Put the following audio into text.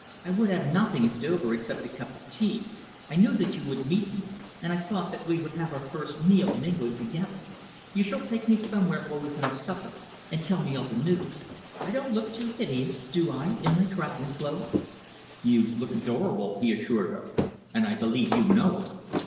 "I would have nothing at Dover except a cup of tea. I knew that you would meet me, and I thought that we would have our first meal in England together. You shall take me somewhere where we can have supper and tell me all the news. I don't look too hideous, do I, in my travelling clothes?" "You look adorable," he assured her, "and I believe you know it."